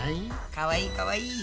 かわいいかわいい。